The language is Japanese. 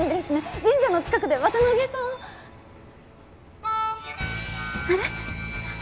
神社の近くで渡辺さんをあれ？